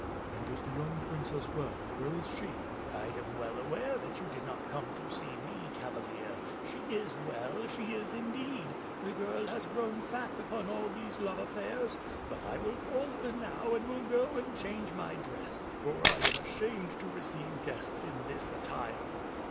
"And is the young princess well; where is she?" "I am well aware that you did not come to see me, Cavalier. She is well; she is indeed. The girl has grown fat upon all these love affairs. But I will call her now, and will go and change my dress; for I am ashamed to receive guests in this attire."